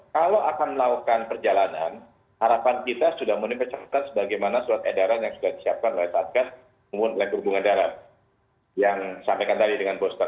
kalau akan melakukan perjalanan harapan kita sudah munculkan sebagaimana surat edaran yang sudah disiapkan oleh saat gas